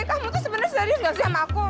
kamu tuh sebenernya serius gak sih sama aku